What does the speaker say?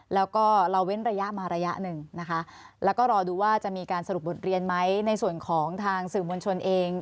แล้วก็เราเว้นระยะมาระยะหนึ่งนะคะแล้วก็รอดูว่าจะมีการสรุปบทเรียนไหมในส่วนของทางสื่อมวลชนเอง